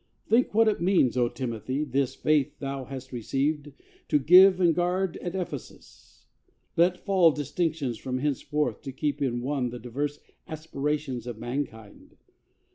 Think what it means, O Timothy, this Faith thou hast received To give and guard at Ephesus. Let fall Distinctions from henceforth, and keep in one The diverse aspirations of mankind.